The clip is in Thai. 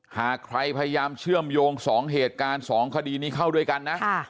หากใครพยายามเชื่อมโยง๒เหตุการณ์๒คดีนี้เข้าด้วยกันนะ